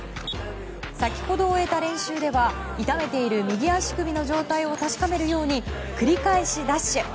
先ほど終えた練習では痛めている右足首の状態を確かめるように繰り返しダッシュ。